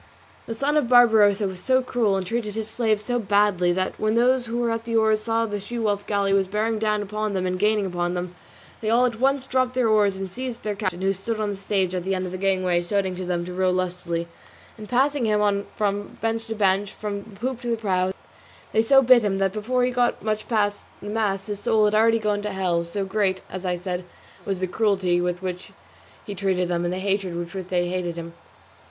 The son of Barbarossa was so cruel, and treated his slaves so badly, that, when those who were at the oars saw that the She wolf galley was bearing down upon them and gaining upon them, they all at once dropped their oars and seized their captain who stood on the stage at the end of the gangway shouting to them to row lustily; and passing him on from bench to bench, from the poop to the prow, they so bit him that before he had got much past the mast his soul had already got to hell; so great, as I said, was the cruelty with which he treated them, and the hatred with which they hated him.